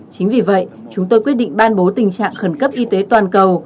chính vì vậy chúng tôi quyết định ban bố tình trạng khẩn cấp y tế toàn cầu